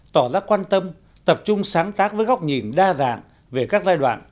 tỏ ra quan tâm tập trung sáng tác với góc nhìn đa dạng về các giai đoạn